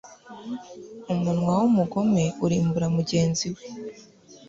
Umunwa w’umugome urimbura mugenzi we